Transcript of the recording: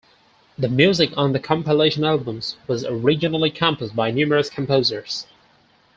The music on the compilation albums was originally composed by numerous composers.